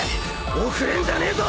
遅れんじゃねえぞ